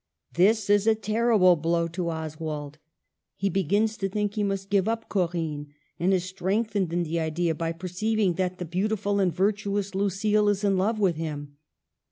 This is a terrible blow to Oswald. He begins to think he must give up Corinne, and is strength ened in the idea by perceiving that the beautiful and virtuous Lucile is in love with him.